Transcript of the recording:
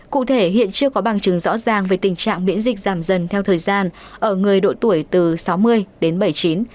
cụ thể hiện chưa có bằng chứng rõ ràng về tình trạng miễn dịch giảm dần theo thời gian ở người độ tuổi từ sáu mươi đến bảy mươi chín